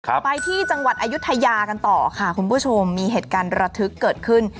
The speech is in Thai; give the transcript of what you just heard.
ไปที่จังหวัดอายุทยากันต่อค่ะคุณผู้ชมมีเหตุการณ์ระทึกเกิดขึ้น